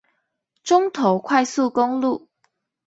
中投快速公路